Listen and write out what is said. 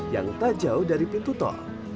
yang tak jauh dari pintu tol